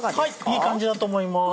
いい感じだと思います。